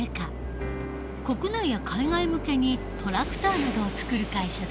国内や海外向けにトラクターなどを作る会社だ。